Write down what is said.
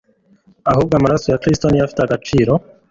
ahubwo amaraso ya Kristo ni yo afite agaciro